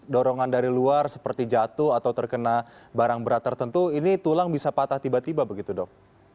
dorongan dari luar seperti jatuh atau terkena barang berat tertentu ini tulang bisa patah tiba tiba begitu dok